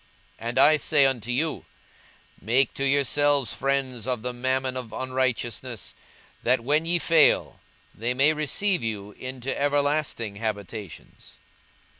42:016:009 And I say unto you, Make to yourselves friends of the mammon of unrighteousness; that, when ye fail, they may receive you into everlasting habitations.